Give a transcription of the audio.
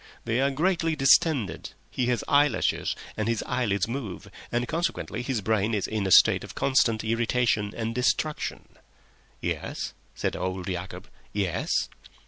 They are greatly distended, he has eyelashes, and his eyelids move, and consequently his brain is in a state of constant irritation and distraction." "Yes?" said old Yacob. "Yes?"